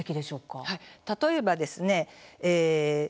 例えばですね